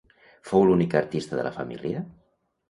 Fou l'única artista de la família?